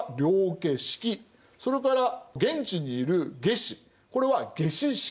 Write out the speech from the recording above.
それから現地にいる下司これは下司職。